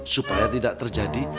supaya tidak terjadi